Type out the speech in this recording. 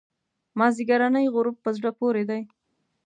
مازیګرنی غروب په زړه پورې دی.